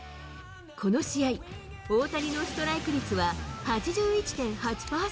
この試合、大谷のストライク率は８１．８％。